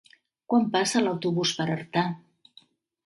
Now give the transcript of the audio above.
Quan passa l'autobús per Artà?